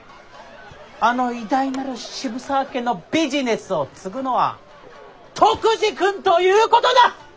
あの偉大なる渋沢家のビジネスを継ぐのは篤二君ということだ！